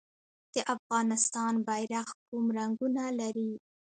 د افغانستان بیرغ کوم رنګونه لري؟